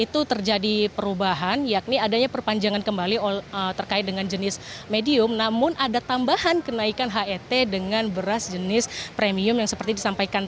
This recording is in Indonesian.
terima kasih pak karyawan